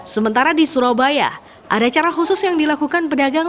sementara di surabaya ada cara khusus yang dilakukan pedagang